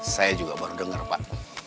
saya juga baru dengar pak